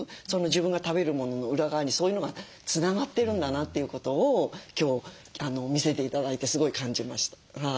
自分が食べるものの裏側にそういうのがつながってるんだなということを今日見せて頂いてすごい感じました。